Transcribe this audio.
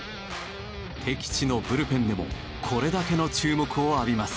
敵地のブルペンでもこれだけの注目を浴びます。